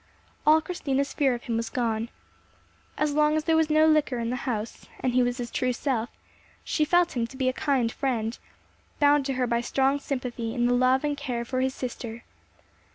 All Christina's fear of him was gone. As long as there was no liquor in the house, and he was his true self, she felt him to be a kind friend, bound to her by strong sympathy in the love and care for his sister.